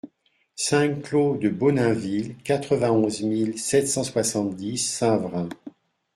cinq clos de Bonainville, quatre-vingt-onze mille sept cent soixante-dix Saint-Vrain